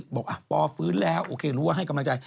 บอกปอฟื้นแล้วโอเครู้ว่าให้กำลังใจ